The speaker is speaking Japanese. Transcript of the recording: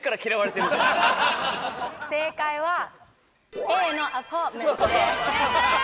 正解はＡのアパートメントです。